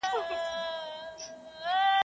الله عز و جل خپله وعده پوره کړه.